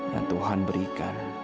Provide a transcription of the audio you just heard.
yang tuhan berikan